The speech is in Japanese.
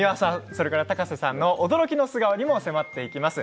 それから高瀬さんの驚きの素顔にも迫っていきます。